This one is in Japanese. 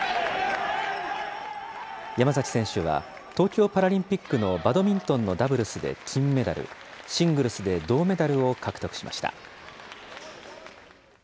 山崎選手は、東京パラリンピックのバドミントンのダブルスで金メダル、シングルスで銅メダルを獲得しました。